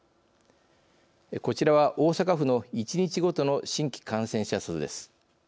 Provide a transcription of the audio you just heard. こちらは大阪府の１日ごとの新規感染者数です。